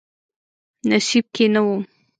نصیب کې نه و.